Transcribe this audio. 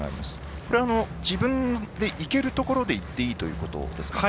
これは自分でいけるところでいっていいということですか。